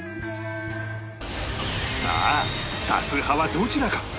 さあ多数派はどちらか？